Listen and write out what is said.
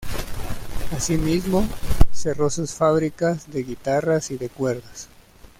Asimismo, cerró sus fábricas de guitarras y de cuerdas.